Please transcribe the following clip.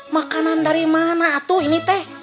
makanan dari mana atu ini teh